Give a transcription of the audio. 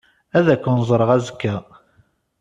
Ad ken-ẓṛeɣ azekka.